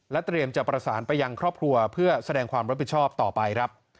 เตรียมจะประสานไปยังครอบครัวเพื่อแสดงความรับผิดชอบต่อไปครับ